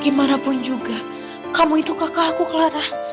gimanapun juga kamu itu kakak aku clara